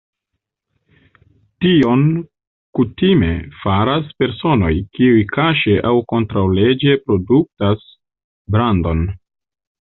Tion kutime faras personoj, kiuj kaŝe aŭ kontraŭleĝe produktas brandon.